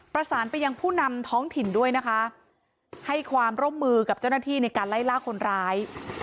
ประสานไปยังผู้นำท้องถิ่นด้วยนะคะให้ความร่วมมือกับเจ้าหน้าที่ในการไล่ล่าคนร้าย